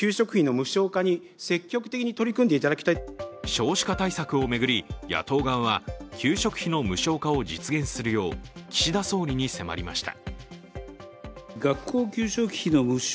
少子化対策を巡り、野党側は給食費の無償化を実現するよう岸田総理に迫りました。